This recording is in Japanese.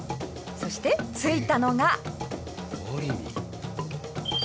そして着いたのが。